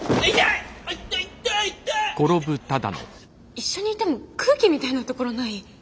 一緒にいても空気みたいなところない？